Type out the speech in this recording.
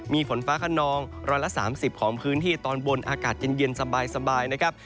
มีฝนฟ้าขนอง๑๓๐ของพื้นที่ตอนบนอากาศเย็นสบายนะครับ